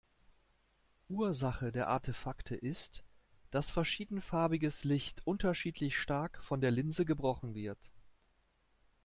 Ursache der Artefakte ist, dass verschiedenfarbiges Licht unterschiedlich stark von der Linse gebrochen wird.